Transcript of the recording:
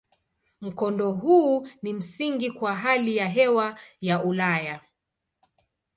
Mkondo huu ni msingi kwa hali ya hewa ya Ulaya.